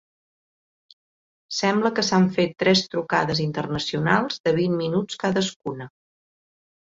Sembla que s'han fet tres trucades internacionals de vint minuts cadascuna.